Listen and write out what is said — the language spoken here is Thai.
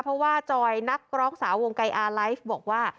เพราะว่าจอยนักร้องสาววงไกรอาไลฟ์บอกว่า